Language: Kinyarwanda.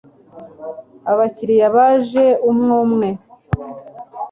Abakiriya baje umwe umwe